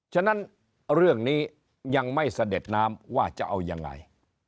ฉะนั้นเรื่องนี้ยังไม่เสด็จน้ำว่าจะเอายังไง